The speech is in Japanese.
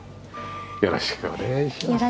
よろしくお願いします。